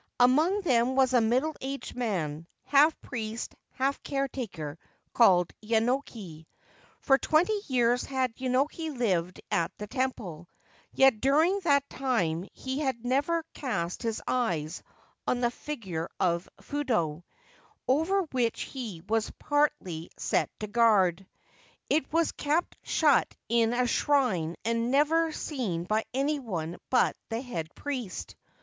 Among them was a middle aged man, half priest, half caretaker, called Yenoki. For twenty years had Yenoki lived at the temple ; yet during that time he had never cast eyes on the figure of Fudo, over which he was partly set to guard ; it was kept shut in a shrine and never seen by any one but the head priest.